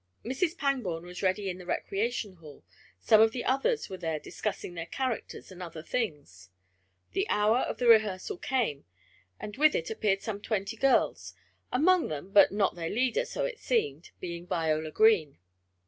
Mrs. Pangborn was ready in the recreation hall, some of the others were there discussing their characters and other things. The hour for the rehearsal came, and with it appeared some twenty girls, among them, but not their leader (so it seemed) being Viola Green.